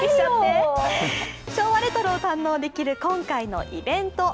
昭和レトロを堪能できる今回のイベント。